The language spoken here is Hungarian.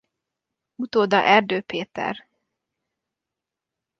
Utóda Erdő Péter.